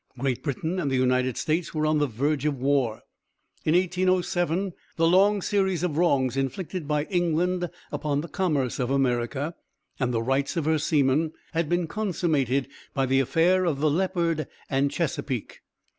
Great Britain and the United States were on the verge of war. In 1807 the long series of wrongs inflicted by England upon the commerce of America, and the rights of her seaman, had been consummated by the affair of the Leopard and Chesapeake.